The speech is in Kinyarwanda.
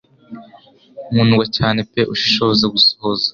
Nkundwa cyane pe ushishoza gusohoza